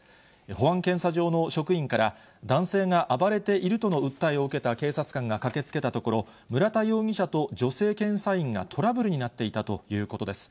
保安検査場の職員から、男性が暴れているとの訴えを受けた警察官が駆けつけたところ、村田容疑者と女性検査員がトラブルになっていたということです。